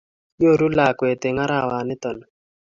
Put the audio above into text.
Nyoru lakwet eng arawa nito ni